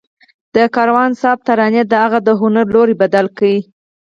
د کاروان صاحب ترانې د هغه د هنر لوری بدل کړ